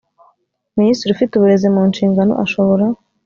minisitiri ufite uburezi mu nshingano ashobora